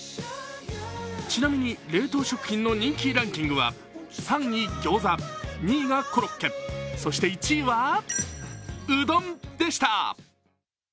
ちなみに冷凍食品の人気ランキングは３位がギョーザ、２位がコロッケ、そして１位はうどんでした。